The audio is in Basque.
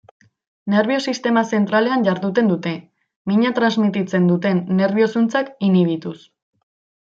Nerbio-sistema zentralean jarduten dute, mina transmititzen duten nerbio-zuntzak inhibituz.